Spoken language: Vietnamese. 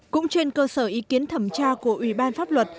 cũng trên cơ sở ý kiến thẩm tra của ủy ban pháp luật